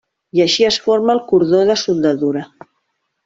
I així es forma el cordó de soldadura.